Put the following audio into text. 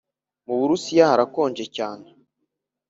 muburusiya harakonja cyane